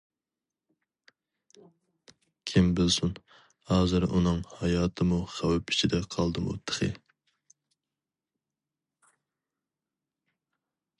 كىم بىلسۇن؟ ھازىر ئۇنىڭ ھاياتىمۇ خەۋپ ئىچىدە قالدىمۇ تېخى!